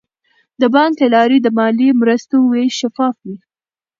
د بانک له لارې د مالي مرستو ویش شفاف وي.